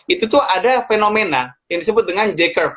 itu tuh ada fenomena yang disebut dengan j curve